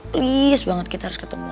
please banget kita harus ketemuan ya